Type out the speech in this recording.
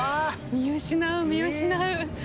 見失う見失う。